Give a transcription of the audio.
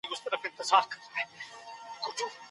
زه به ستا د غږ انګازې تل په یاد لرم.